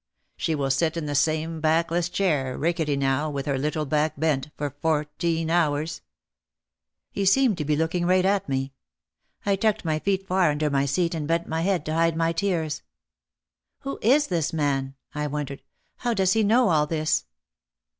She will sit in the same backless chair, rickety now, with her little back bent, for fourteen hours." He seemed to be looking right at me. I tucked my feet far under my seat and bent my head to hide my tears. "Who is this man ?" I wondered ; "how does he know all this?"